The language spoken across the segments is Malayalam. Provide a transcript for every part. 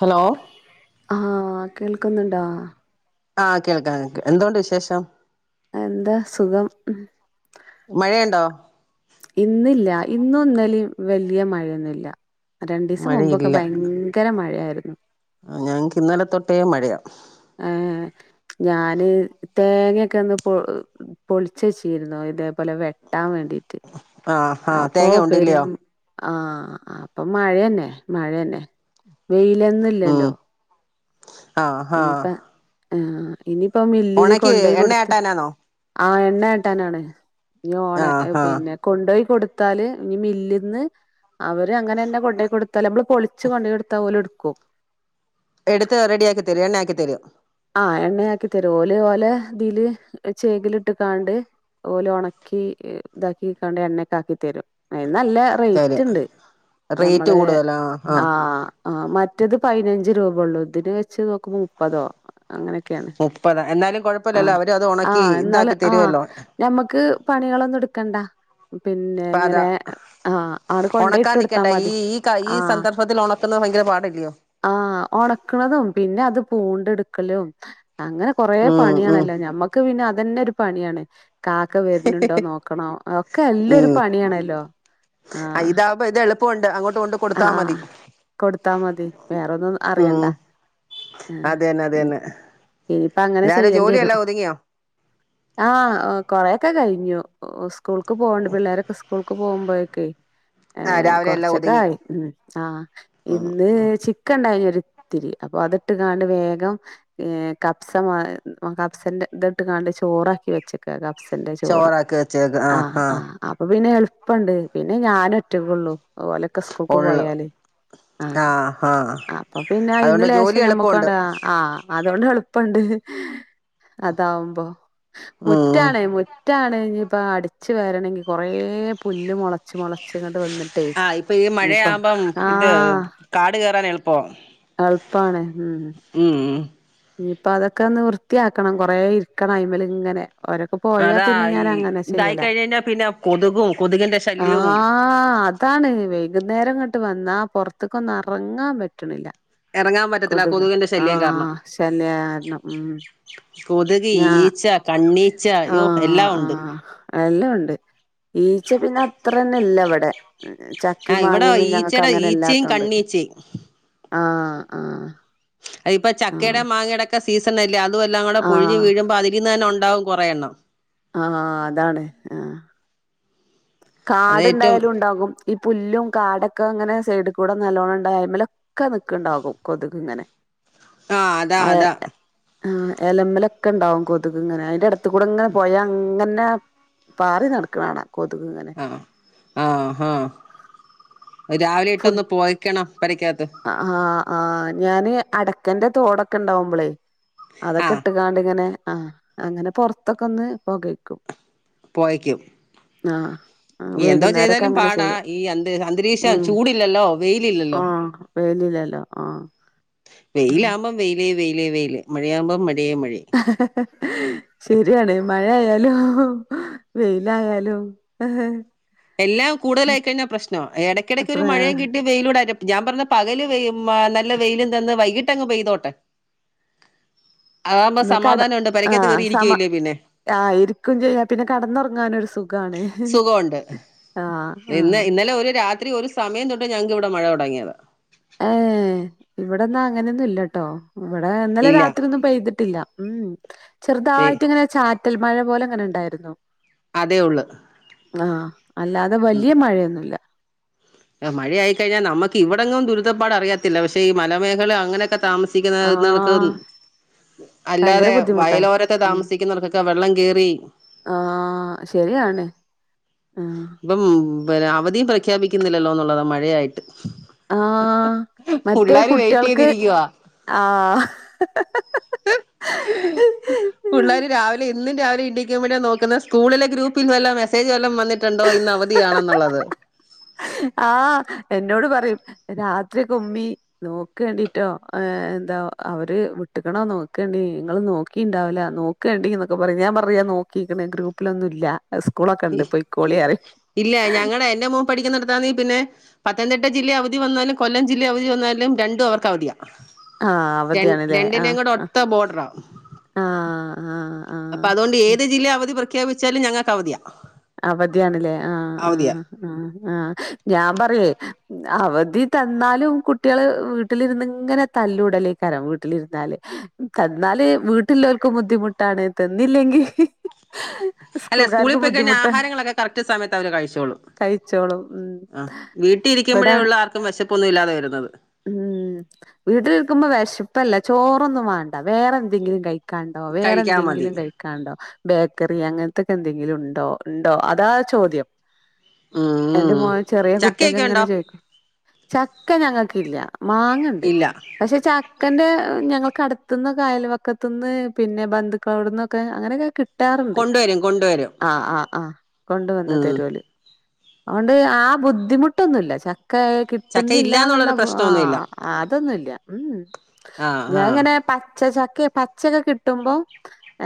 ഹലോ ആഹ് കേൾക്കുന്നുണ്ടാ ആ കേൾക്കാ കേൾക്ക എന്തോണ്ട് വിശേഷം എന്താ സുഖം ഉം മഴയുണ്ടോ ഇന്നില്ല ഇന്നും ഇന്നലേം വല്യ മഴയൊന്നൂല്ല രണ്ടിവസം മുമ്പൊക്കെ ഭയങ്കര മഴായിരു ആ ഞങ്ങക്ക് ഇന്നലെ തൊട്ടേ മഴയാ ആ ഞാന് തേങ്ങൊക്കെ ഒന്ന് പൊ പൊളിച്ചു വെച്ചിരുന്നു ഇതേപോലെ വെ ട്ടാൻ വേണ്ടിട്ട് ആഹ് ആഹ് അപ്പോ തേങ്ങ പെരും ഉണ്ടില്ലയോ ആ അപ്പൊ മഴെന്നെ മഴേന്നെ വെയിലന്നില്ലല്ലോ ആ ആ ആ ഇനിയിപ്പോ മില്ലില് കൊണ്ടോയി കൊടുത്ത് എണ്ണയാട്ടാനാന്നോ ആ എണ്ണ ആട്ടാനാണ് നി ഓണ ആഹ് ആഹ് പിന്നെ കൊണ്ടുപോയി കൊടുത്ത് ത്താല് ഇനി മില്ല്ന്ന് അവര് അങ്ങനെ തന്ന കൊണ്ടോയി കൊടുത്താല് നമ്മള് പൊളിച്ച് കൊണ്ടോയി കൊടുത്താൽ പോലുടുക്കു കു എടുത്ത് റെഡി ആക്കി തരും എണ്ണ ആക്കി തരു ആ എണ്ണയാക്കി തരും ഓലെ ഓലെ ഇതില് ചേകലിട്ട് കാണ്ട് ഓലെ ഒണക്കി ഇതാക്കി കണ്ട് എണ്ണക്ക ആക്കിത്തരും അയിന് നല്ല റേറ്റ് തരും ഉണ്ട് റേറ്റ് ഞമ്മള് കൂടുതലാ ആഹ് ആ ആ മറ്റത് പയിനഞ്ച് രൂപെള്ളൂ ഇതിന് വെച്ച് നോക്കുമ്പോ മുപ്പതോ മുപ്പതാ എന്നാലും ആ കുഴപ്പമില്ലല്ലോ അവര് അത് ആ ഉണക്കി എന്നാല് ഇതാക്കി ആ തരുവല്ലോ ഞമ്മക്ക് പണികളൊന്നും എടുക്കണ്ട പിന്നെ അപ്പൊ അതാ ഇങ്ങനെ ആ ആണ് കൊണ്ടോയി ഉണക്കാൻ ഇട്ടു കൊടുത്താ നിക്കണ്ട ഈ മതി ഈ ഈ ആ സന്ദർഭത്തിൽ ഉണക്കുന്നത് ഭയങ്കര പാടല്ലയോ ആ ഒണക്കണതും പിന്നെ അത് പൂണ്ടെടുക്കലും അങ്ങനെ കൊറെ ഉം ഉം പണിയാണല്ലോ ഞമ്മക്ക് പിന്നെ അതന്നെ ഒരു പണിയാണ് കാക്ക വരുന്നുണ്ടോ നോക്കണം അതൊക്കെ നല്ലൊരു ഉം പണിയാണല്ലോ ആ പ്പൊണ്ട് അങ്ങോട്ട് കൊണ്ട് കൊടുത്താ മതി ആഹ് കൊടുത്താ മതി, വേറൊന്നും അറിയണ്ട ഉം ആഹ് അത് തന്നെ അത് തന്നെ ഇനിയിപ്പ അങ്ങനെ രാവിലെ ചെയ്യേണ്ടി വരും ജോലിയെല്ലാം ഒതുങ്ങിയോ ആ കൊറേ ഒക്കെ കഴിഞ്ഞു ഉസ് സ്കൂൾക്ക് പോകണ്ടേ പിള്ളേരൊക്കെ സ്കൂൾക്ക് പോകുമ്പഴ്ക്ക് ആ രാവിലെ എല്ലാം ഒതുങ്ങി. ആ ഇന്ന് ചിക്കൻ ണ്ടായിനി ഒരുത്തിരി അപ്പ അതിട്ട് കാണ്ട് വേഗം കപ്സ മാ കപ്സൻ്റെ ഇത്ട്ട് കാണ്ട് ചോറാക്കി വെച്ചക്കാ കപ്സ ചോറാക്കി വെച്ചേക്കാ ആഹ് ആഹ് അപ്പൊ പിന്നെ എളുപ്പണ്ട് പിന്നെ ഞാനൊറ്റക്കെള്ളു അതുപോലെ സ്കൂൾക്ക് ഉള്ളു പോയാല് ആ അപ്പൊ പിന്നെ അയിൽന്ന് അതുകൊണ്ട് ജോലി ലേശം ഞമ്മക്കു എളുപ്പമുണ്ട് ആണ്ട് ആഹ് അതുകൊണ്ട് എളുപ്പണ്ട് അതാവുമ്പോ ഉം മുറ്റാണേ മുറ്റ് മുറ്റാണ് ഇഞ്ഞിയിപ്പം അടിച്ച് വാരണെങ്കി കൊറേ പുല്ല് മൊളച്ച് മൊളച്ച് ച്ച്ങ്ങോട്ട് വന്നിട്ടേ ആ ഇപ്പൊ ഈ ഇനിപ്പ മഴയാവുമ്പം ഇത് ആഹ് കാട് കയറാൻ എളുപ്പാ എളുപ്പാണ്. ഉം ഉം. ഇനിയിപ്പ അതൊക്കെ ഒന്ന് വൃത്തിയാക്കണം കൊറേ ഇരിക്കണം അയിമല് ഇങ്ങനെ. ഓരൊക്കെ പോയാ അതാ പിന്നെ ഞാൻ ഈ അങ്ങനെ ഇതായി ചെയ്യലാ കഴിഞ്ഞ പിന്നെ കൊതുകും കൊതുകിന്റെ ശല്യവും ആഹ് അതാണ് വൈകുന്നേരം ഇങ്ങോട്ട് വന്നാ പുറത്തക്ക് ഒന്നു ഇറങ്ങാൻ പറ്റണില്ല. ഇറങ്ങാൻ പറ്റത്തില്ല കൊതുകിന്റെ ശല്യം കാരണം. ശല്യാരണം ഉ കൊതുക് ഞാൻ ഈച്ച കണ്ണീച്ച യ്യോ ആഹ് എല്ലാം ഉണ്ട് ആഹ്. എല്ലാം ഉണ്ട് ഈച്ച പിന്നെ അത്ര തന്നെ ഇല്ല ഇവിടെ. ചക്കിം ആഹ് ഇവിടെ മാങ്ങിയൊന്നും ഞങ്ങക്ക് ഈച്ചടെ അങ്ങനെ ഈച്ചയും ഇല്ലാത്തോണ്ട് കണ്ണീച്ചയും. ആഹ് ആഹ്. അ ഇപ്പ ചക്കയുടെ ആഹ് മാങ്ങയുടെക്കെ സീസൺ അല്ല അ അതെല്ലാം കൂടെ പൊഴിഞ്ഞ് ആഹ് വീഴുമ്പോ അതിൽന്ന് തന്ന ഉണ്ട് ഉണ്ടാവും കുറെ എണ്ണം. ആഹ അതാണ് ആഹ അത് ഏറ്റവും കാടുണ്ടായാലും ഉണ്ടാകും ഈ പുല്ലും കാടൊക്കെ അങ്ങനെ സൈഡ കൂടെ നല്ലോണ്ണം ഉണ്ട്മലെ ഒക്കെ നിക്കണ്ടാകും കൊതുക് ഇങ്ങനെ ആഹ അതാ അതാ ആ് എലമലൊക്കെ ഉണ്ടാവും കൊുകക് ഇങ്ങനെ അതിന്റെട കൂടെങ്ങനെ പോയാ അങ്ങനെ പാറി നടക്കണ കൊതുക് ഇങ്ങനെ ആ ആഹ ആഹ രാവിലെ ഇട്ടൊന്ന് പോയിക്കണം പെരക്കകത്ത് ആ ആഹ് ആഹ ഞാന് അടക്കന്റെ തോടൊക്കെ ഇണ്ടാവുമ്പോളെ ആ അതൊക്കെ ഇട്ടുകാണ്ട്ിങ്ങനെ ആഹ അങ്ങനെ പൊറത്തൊക്കെ ഒന്ന് പോകഴക്കും പോയിയ്ക്കും ആഹ് എന്തോ വൈകുന്നേരൊക്കെ ചെയ്താലും അങ്ങനെ പാടാ ചെയ്യും ഈ അ അന്തരീക്ഷം ചൂടല്ലല്ലോ വെയില ഇില്ലല്ലോ പേലില്ലല്ലോ ആഹ വെയിലാമ്മം വെയിലേ വെയിലേ വെയില മഴിയകുമ്പം മ ഹ ഹ ഹ ശരിയാണ് മഴയായലോ വെയിലായാലും - എല്ലാം കൂടുതലായി കഴിഞ്ഞാൽ പ്രശ്നം ഇടയ്ക്കിടയ്ക്ക് അപ്പ ഒരു മഴയും കിട്ടി വെയിലൂടെ ഞാൻ പറഞ്ഞ് പകല് വെയ് നല്ല വെയിലും തന്ന് വൈകി ട്ടങ്ങ് പേയ്തോട്ടെ. ന്ന കട ആഹ് സമ പിന്നെ ആഹ് ഇരിക്കും ചെയ്യ പിന്നെ കട്ന്നൊർറങ്ങാനൊരു സുഖാണ് സുഖമുണ്ട് ആഹ് ഇന്ന് ആഹ് ഇന്നലെ ഒരു രാത്രി ഒരു സമയം തൊട്ട് ട്ട് ഞങ്ങക്ക്‌വിടെ മഴ തൊടങ്ങിയത് ഏഹ് ഇവിടെന്ന അങ്ങനെന്നുല്ലട്ടോ ഇവടെ ഇന്നലെ ഇല്ല രാത്രി ഒന്നും പെയ്തിട്ടില്ല ഉംഹ് വെ- ചെർതായിട്ട്ങ്ങനെ ചാ റ്റൽ മഴ പോലെങ്ങനെ ഇണ്ടായിര്ന്നു അതേ ഒള്ള് ആഹ് അല്ലാതെ വല്യയ മഴയൊന്നുല്ല മഴയായിക്കഴിഞ്ഞാ നമക്ക് ഇവിടെങ്ങും ദുരിതപ്പാട് അറിയാത്തില്ലാ പക്ഷേ ഈ മലമേഖല അങ്ങനെക്കെ താമസിക്കുന്നർക്ക് ആഹ് ഭയങ്കര അല്ലാതെ ബുദ്ധിമുട്ടാ വയലോരത്തെ ഉം താമസിക്കുന്നവർക്കൊക്കെ വെള്ളം കേറി ആഹ് ശരിയാണ് ആഹ് ബം അവധിയും പ്രഖ്യപിക്കുന്നില്ലല്ലോ എന്നുള്ളതാ മഴയായിട്ട് ആ മറ്റേ പുള്ളാര് വെയിറ്റ് കുട്ടിയാൾക്ക് ചെയ്തിരിക്കുവാ ആ [unintelligible] സ്കൂളില ഗ്രൂപ്പിൽ നിന്നും വല്ലേ മെസെജ് വല്ലാം വന്നി ട്ട്ണ്ടോ ഇന്ന് അവധിയാണെന്നുള്ളത് ആ എന്നോട് പറയും രാത്രി കൊമി നോക്കേണ്ടിട്ടോ എന്താ അവര് വിട്ട്ക്ണോ നോക്കേണ്ടി നിങ്ങള് നോക്കിണ്ടാവ് ല നോക്കേണ്ടി ന്നൊക്കെ പറയും ഞാൻ പറയാ നോക്കിക്ക്ണ് ഗ്രൂപ്പിലൊന്നും ഇല്ല സ്കൂളൊക്കെ ഉണ്ട് പൊയ്ക്കോളി പറയും ഇല്ല ഞങ്ങളടെ എൻന്റെ മോൻ പഠിക്കുന്നട എ പിന്നെ പത്തനംതിട്ട ജില്ല അവധി വന്നാലും കൊല്ലം ജില്ല അവധി വന്നാലും രണ്ടും അവർക്ക് അവധിയാണ് ആഹ് ര അവധിയാണല്ലേ രണ്ടിനേ ആഹ് കൂടെ ആഹ് ഒത്ത ബോർഡറ ആഹ് ആഹ് അപ്പൊ അതുകൊണ്ട് ആഹ് ഏത് ജില്ല അവധി പ്ര പ്രഖ്യാപിച്ചാലും ഞങ്ങൾക്ക് അവതിയ അവധിയാണ്ല്ലേ ആഹ് ആഹ് ആഹ് ആഹ് ഞാൻ പറയേയ് അവധി തന്നാലും കുട്ടികള് വീട്ടിലിരുന്ന്ഇങ്ങനെ തല്ലൂടലേക്ക്രാം വീട്ടിലിരുന്നാല് തന്നാല് വീട്ടിലവർക്കും ബുദ്ധിമുട്ടാണ് തന്നില്ലെങ്കിൽ അല്ല സ്കൂളിൽ പോയിക്കഞ്ഞാഹ് ഹാരങ്ങളൊക്കെ കറക്റ്റ് സമയത്ത് അവര് കഴിച്ചോളും കഴിച്ചോളും ഉം ആഹ് വീട്ടീ ഇരിക്കുമ്പഴേ ഇവിടെ ഒള്ളു ആർക്കും വിശപ്പ് ഒന്നില്ലാതെ വരുന്നത് ഉം വീട്ടിലിരിക്കുമ്പോ വെശപ്പല്ല ചോറൊന്നും വേണ്ട വേറെ എന്തെങ്കിലും കഴി കഴിക്കാണ്ടോ കഴിക്കാൻ വേറെന്തെങ്കിലും മതി കഴിക്കാണ്ടോ ബേക്കറി അങ്ങന ക്കെ എന്തെങ്കിലും ഉണ്ടോ ഉണ്ടോ അതാ ചോദ്യം എന്റെ ഉം മോന് ചെറിയ കുട്ടിയക്കെ ചക്കയൊക്കെ ഉണ്ടോ എങ്ങനെ ചോയിക്കും ചക്ക ഞങ്ങ ക്കില്ല മാങ്ങ ഉണ്ട് ഇല്ല പക്ഷെ ച ചക്കന്റെ ഞങ്ങൾക്ക് അടുത്ത നിന്നൊക്കെ അയൽ പക്കത്തു നിന്ന് പിന്നെ ബന്ധുക്കൾ അവിടന്നൊക്കെ അങ്ങനെയൊക്കെ കി ട്ടാറുണ്ട് കൊണ്ടുവരും കൊണ്ടുവരും ആ ആ ആ കൊണ്ടുവന്ന് ഉം തരുവോല് അതൊണ്ട് ആ ബുദ്ധിമുട്ടൊന്നുല്ല ക്ക ചക്ക കിട്ടുന്നില്ല എന്നുള്ള ഇല്ലാന്നുള്ളൊരു ആ പ്രശ്നമൊന്നുമില്ല അതൊന്നുല്ല ഉമ് ആഹ് ഞാൻ ആഹ് അങ്ങനെ പച്ച ചക്കയ പച്ചക്കെ കിട്ടുമ്പോ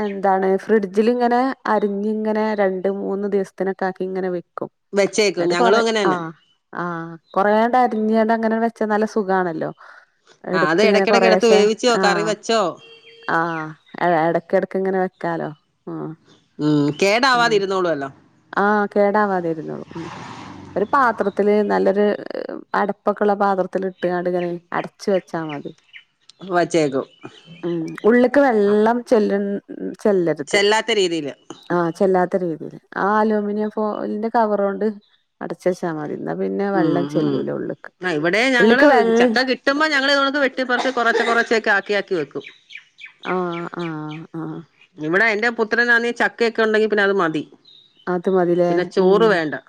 എന്താണ് ഫ്രിഡ്ജിൽിങ്ങനെ അരിഞ്ഞ ഇങ്ങനെ രണ്ട് മൂന്ന് ദിവസത്തിനൊക്കെ ആക്കി ഇങ്ങനെ വെ വെച്ചേക്കും ഞങ്ങളും അങ്ങനെയന്നെ ആഹ് കൊറേണ്ട് അരിഞ്ഞണ്ട് അങ്ങനെ ച്ച നല്ല സുഖണല്ലോ ആ അത് എടുത്ത് ഇങ്ങനെ ഇടയ്ക്കിടക്ക് എടുത്ത് കൊറെശെ വേവിച്ചോ ആ കറി വെച്ചോ ആ എടക്കിടക്ക് ഇങ്ങനെ വെക്കാലോ ആഹ് ഉം ആഹ് കേടാവാതിരുന്നോളൂല്ലോ ആഹ് കേടാവതിരുന്നുള്ളു ഉം ഒരു പാത്രത്തില് നല്ലൊരു അടപ്പൊക്കുള്ള പാത്രത്തില് ഇട്ടുകാണ്ട് ഇങ്ങനെ അടച്ച് വെച്ചാ മതി വച്ചേക്കും ഉം ഉള്ളക്ക് വെള്ളം ചെല്ലും ചെല്ലരുത് ചെല്ലാത്ത രീതിയില് ആ ചെല്ലാ ഇത്രരീതീല് ആഹ് അലുമിനിയം ഫോയലിന്റെ കവറോണ്ട് അടച്ച് വച്ചാ മതി ഇന്നാ പിന്നെ ഉം വെള്ളം ഉം ചെല്ലൂല ഉള്ള്ക്ക് ആഹ് ഇവ്ടെ ഞങ്ങള് ഉള്ള്ക്ക് വെള്ളം ചക്ക കിട്ടുമ്പൊ ഞങ്ങള് ഇതൊക്കെ വെട്ടിപ്പറച് കൊറെ ച്ച് കുറച്ചൊക്കെ ആക്കിയാക്കി വെക്കും ആഹ് ആഹ് ആഹ് പുത്രനാന്നെ ചക്കയൊക്കെ ഉണ്ടെങ്കി പിന്നെ അത് മതി അത് മതിലേ പിന്നെ ഉം ചോറ് വേണ്ട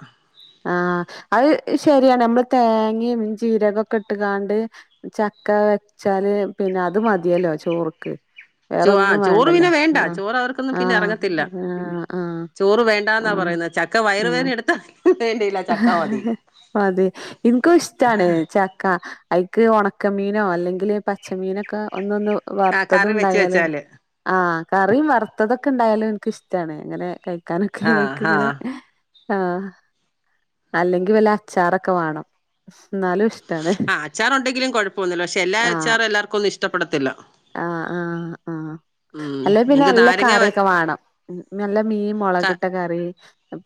ആഹ് അയ് ശരിയാണ് നമ്മള് തേങ്ങീം ജീരകൊക്കെ ഇട്ട്ങ്ങാണ്ട് ചക്ക വെച്ചാല് പിന്ന അത് മതിയലൊ ചോറ്ക്ക് ചോ ആ വേറൊന്നും ചോറ് വേണ്ടലൊ പിന്നെ വേണ്ട ആഹ് ചോറ് അവർക്കൊന്നും പിന്നെ ആഹ് ആഹ് ആഹ് ണ്ടാന്നാ ആഹ് പറയ്ന്നെ ചക്ക ആഹ് വയറുവേദന എട്ത്ത അതെ ഇൻകും ഇഷ്ടാണ് ചക്ക അയ്ക്ക് ഒണക്കമീനോ അല്ലെങ്കില് പച്ചമീനൊക്കെ ഒന്നൊന്ന് ആ വറുത്തതും കറി വെച്ച് ഉണ്ടായല് വെച്ചാല് ആഹ് കറിയും വറുത്തതൊക്കെ ഉണ്ടായാലും എൻക്കിഷ്ടാണ് ങ്ങനെ കഴിക്ക കാനൊക്കെ ആ ആ അയ്ക്ക്ങ്ങനെ ആ അല്ലെങ്കിൽ വല്ല അച്ചാറൊക്കെ വാണം ന്നാലും ഇഷ്ടാണ് അ അച്ചാറുണ്ടങ്കിലും കുഴപ്പൊന്നൂല പക്ഷെ എല്ലാ ആഹ് അച്ചാറും എല്ലാർക്കൊന്ന് ഇഷ് ഷ്ടപ്പെടത്തില്ല ആഹ് ആഹ് ആഹ് ഉം അല്ലെ പിന്നെ എനിക്ക് നല്ല നാരങ്ങ വെ കറിഒക്കെ വേണം നല്ല മീൻ ക മൊളകിട്ട കറി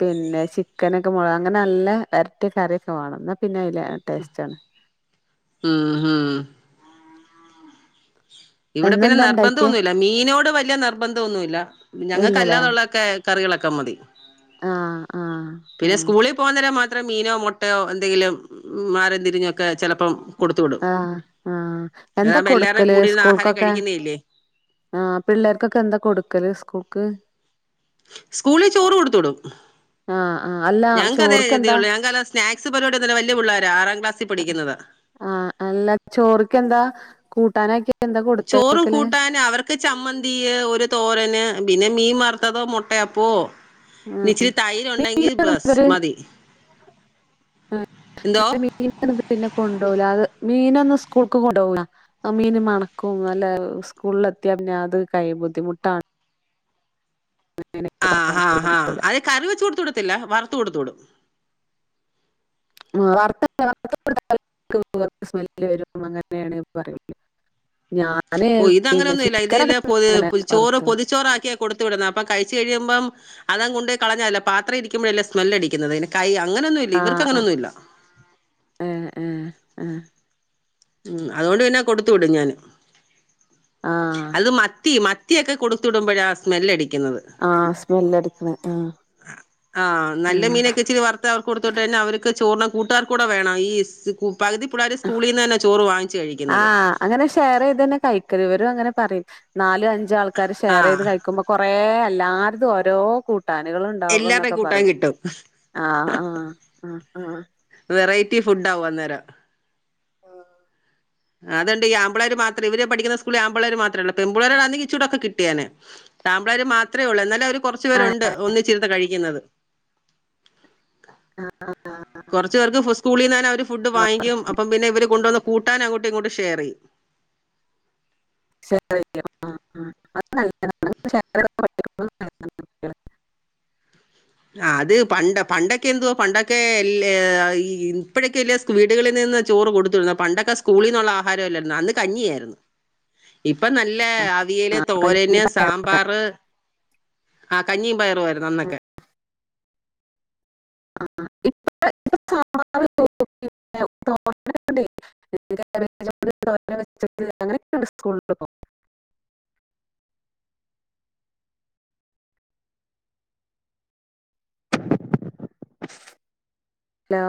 പിന്നെ ചിക്കനൊക്കെ മോ അങ്ങനെ നല്ല വരട്ടിയ കറിയൊക്കെ വേണം എന്ന പിന്നെ ല്ല ടേസ്റ്റ് ആണ് ഉം ഉം ഇവിടെ പിന്നെ ഇന്നെന്താ നിർബന്ധം ഇണ്ടാക്കിയേ ഒന്നുല്ല മീനോട് വല്യയ നിർബന്ധം ഒന്നുല്ല ഇല്ലലേ ഞങ്ങക്കല്ലാതുള്ളൊക്കെ കറികളൊക് ക്കം മതി ആഹ് ആഹ് പിന്നെ ആഹ് സ്കൂളി പോകന്നേരം മ ത്ര മീനോ മുട്ടയോ എന്തെങ്കിലും ഉം മറിം തിരിഞ്ഞൊക്കെ ചെലപ്പോം ആഹ് ആഹ് എന്താ എല്ലാവരുടെയും കൊടുക്കല് കൂടിയിരുന്ന് ആഹാരം സ്കൂൾക്കൊക്കെ കഴിക്കുന്നതല്ലേ ആഹ് പിള്ളർക്കൊക്കെ എന്താ കൊടുക്കല് സ്കൂൾക്ക് സ്കൂളി ചോറ് കൊടുത്തു വിടും ആഹ് ആഹ് അല്ല ഞക്ക് അതെ ഗതി ചോറ്ക്കെന്താ ഒള്ളൂ ഞങ്ങക്ക് അല്ലാതെ സ്നാക്സ് പരിപാടി ഒന്നും ഇല്ല വലിയ പുള്ളരാ ആറാം ക്ലാസ് ആഹ് അല്ല ചോറ്ക്കെന്താ കൂ ട്ടാനൊക്കെ ചോറും കൂട്ടാന് അവർക്ക് ചമ്മന്തിയ് ഒരു തോരന് പിന്നെ മീൻ വർത്തതോ മൊട്ടയപ്പോ ഉം. [unintelligible] മതി എന്തോ മീ മീന പിന്നെ കൊണ്ടോല അത് മീനൊന്ന് സ്കൂൾക്ക് കൊണ്ടുപോ, മീൻ മണക്കും അല്ല സ്കൂളിൽ എത്തിയാ പിന്നെ അത് കൈ ബുദ്ധിമുട്ടാണ്. ആഹ്, പറഞ്ഞാണ്ട് അവര് ആഹ്, ആ കൊണ്ടുപോകില്ല അത് കറിവെച്ച് കൊടത്തുടത്തില്ല. വറ് കൊടുത്തുടും ആ വർത്ത, വർ [unintelligible] സ്മെല്ല് വരും, അങ്ങനെണ് പറേ ഓ ഇതങ്ങനൊന്നുല്ല. ഇതിലൊ അങ്ങനെ ചോറ് വറുത്തു പൊതിച്ചോറാക്കിയാ കൊടുത്തു വിടുന്നെ. അപ്പ കഴിച്ച് കഴിയുമ്പം അതങ്ങ് കൊണ്ടോയി കളഞ്ഞാല്ല പാത്രം ഇരിക്കുമ്പഴല്ലെ സ്മെല്ലടിക്കുന്നത്. അതിന് കൈ അങ്ങനൊന്നുഇല്ല, ആ ആ ഇവർക്കങ്ങനൊന്നുല്ല. അ ഉം. അതുകൊണ്ട് പിന്ന കൊടുത്തു വിടും ഞാന്. ആ അത് മത്തി മത് മത്തിയൊക്കെ കൊടുത്തുടുമ്പൊഴാ സ്മെല്ലടി ക്കുന്നത് ആ സ്മെല്ല് അടിക്കണ ആ ആ ആ നല്ല മീനൊക്കെ ഇച്ചിരി വറത്ത് അവർക്ക് കൊടുത്ത് വിട്ട് കഴിഞ്ഞാ അവർക്ക് ചോർന് കൂട്ടാൻ കൂടെ വേണം ഈ സ് കു പകുതി പിള്ളാര് സ്കൂളിന്നെന്നെ ആ അങ്ങനെ ഷെയറ് ചെയ്ത് ന്നാ കഴിക്ക വ്‌ര് അങ്ങനെ പറിം നാല് അം ഞ്ചാൾക്കാര് ഷെയറ്യ്ത് ആഹ് കയിക്ക്മ്പോ കുറേ എല്ലാർതും ഓരോ കൂട്ട കൂട്ടാനുകൾ എല്ലാരുടെ ണ്ടാവുംന്നൊക്കെ കൂട്ടാൻ പറയും കിട്ടും. ആ ഹാ ആ ആ റ്റി ഫുഡാവും അന്നേരം അതെന്ത് യ്യും ആമ്പിള്ളേര് മാത്രേ ഇവര് പഠിക്കുന്ന സ്കൂളിൽ ആമ്പിള്ളാര് മാത്രേള്ളൂ പെമ്പിള്ളാരാർന്നെങ്കി ഇച്ചിരൂടൊക്കെ കിട്ടിയേനെ ആമ്പിള്ളാര് മാത്രേള്ളൂ എന്നാല് ആ ഒരു കുറച്ചു ആഹ് പേരുണ്ട് ഒന്നിച്ചിരുന്ന് കഴിക്കുന്നത് ആഹ് ആഹ് കൊറച്ച് പേർക്ക് സ് സ്കൂളിന്നന്നെ അവര് ഫുഡ് ആഹ് വാങ്ങിക്കും അപ്പം പിന്നെ ഇവര് കൊണ്ട് വന്ന കൂട്ടാൻ അങ്ങോട്ട് ങ്ങോട്ട് ഷെയറ്യ്യും ഷെയ [unintelligible] റി യ്യും ആ ആ അത് നല്ല താ ണ് ഇപ്പോ ഷെയ റി തൊ ക്കെ പഠിക്കണം എ കുട്ട്യള് ആ അത് പണ്ട് പണ്ടൊക്കെ ന്തുവാ പണ്ടൊക്കെ എല്ല ഇ ഇപ്പഴൊക്കെ അല്ലേ സ്‌കൂ വീടുകളിൽ നിന്ന് ചോറ് കൊടുത്തു വിടുന്നേ പണ്ടൊക്കെ സ്കൂളിന്നുള്ള ആഹാരംല്ലാരുന്നോ അന്ന് കഞ്ഞിയായിരുന്നു ഇപ്പ നല്ല ആൾ വിയല് ആഹ് കഞ്ഞി തോരന് പയറൊക്കെ സാമ്പാറ് ആ കഞ്ഞീം പയറു ആയിരുന്നു അന്നൊക്കെ ആ ആ ഇപ്പ ഇപ്പോ സാ മ്പാ റ് കൂ ട്ടി തോ നൊ ക്കെ ണ്ടേ കാ ബേ ജോ ണ്ട് തോ രൻ വച്ചിട്ട് അങ്ങ ന്യൊക്കെണ്ട് സ് കൂളി ൽ പ്പോ ലോ